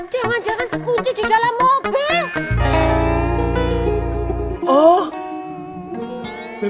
jangan jangan terkunci di dalam mobil